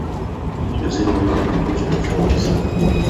jose mourinho ni kocha tofautisana